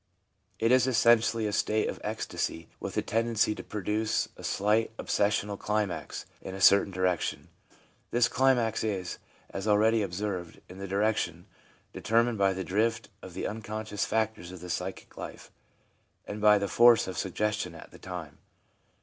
It is ' essentially a state of ecstasy, with a tendency to produce a slight obsessional climax ' 3 in a certain direction. This climax is, as already observed, in the direction deter mined by the drift of the unconscious factors of the psychic life, and by the force of suggestion at the time.